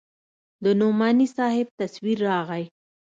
د نعماني صاحب تصوير راغى.